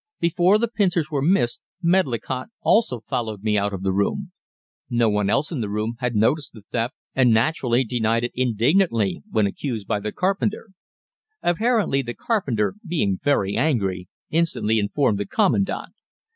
Before the pincers were missed Medlicott also followed me out of the room. No one else in the room had noticed the theft, and naturally denied it indignantly when accused by the carpenter. Apparently the carpenter, being very angry, instantly informed the Commandant.